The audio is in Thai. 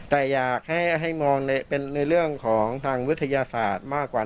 แต่อยากให้มองในเรื่องของทางวิทยาศาสตร์มากกว่า